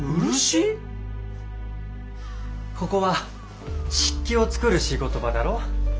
ここは漆器を作る仕事場だろう？